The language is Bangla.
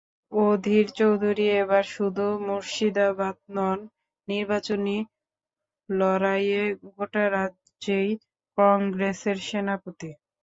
অধীর চৌধুরী এবার শুধু মুর্শিদাবাদ নন, নির্বাচনী লড়াইয়ে গোটা রাজ্যেই কংগ্রেসের সেনাপতি।